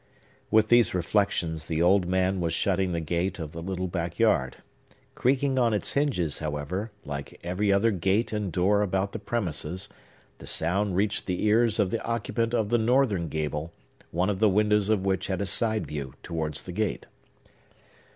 With these reflections, the old man was shutting the gate of the little back yard. Creaking on its hinges, however, like every other gate and door about the premises, the sound reached the ears of the occupant of the northern gable, one of the windows of which had a side view towards the gate.